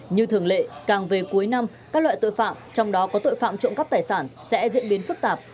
như thường lệ càng về cuối năm các loại tội phạm trong đó có tội phạm trộm cắp tài sản sẽ diễn biến phức tạp